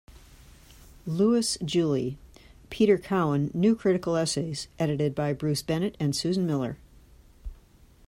Lewis, Julie "Peter Cowan: New Critical Essays", edited by Bruce Bennett and Susan Miller.